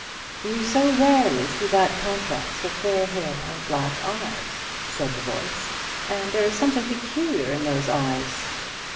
"You so rarely see that contrast of fair hair and black eyes," said the voice; "and there is something peculiar in those eyes."